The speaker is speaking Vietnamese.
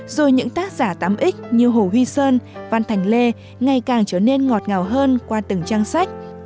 rồi những tác giả tám x như hồ huy sơn văn thành lê ngày càng trở nên ngọt ngào hơn qua từng trang sách